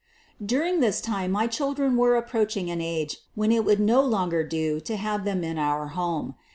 During this time my children were approaching an age when it would no longer do to have them in our home.